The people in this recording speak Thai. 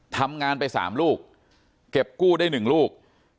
ทำงานไป๓ลูกเก็บกู้ได้๑ลูก